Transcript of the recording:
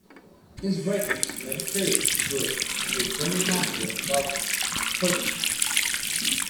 His ratings went through the roof, and his general manager loved Punnett.